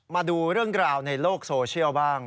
มาดูเรื่องราวในโลกโซเชียลบ้าง